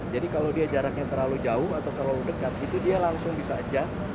jadi kalau dia jaraknya terlalu jauh atau terlalu dekat itu dia langsung bisa adjust